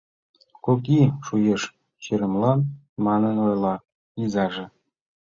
Кок ий шуэш Сӱремлан», Манын ойла изаже